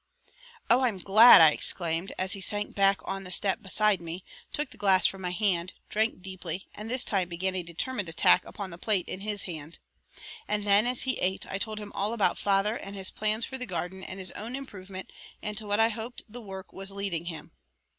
"Oh, I'm glad!" I exclaimed, as he sank back on the step beside me, took the glass from my hand, drank deeply and this time began a determined attack upon the plate in his hand. And then as he ate I told him all about father and his plans for the garden and his own improvement and to what I hoped the work was leading him.